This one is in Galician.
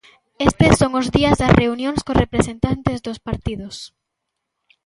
Estes son os días das reunións cos representantes dos partidos.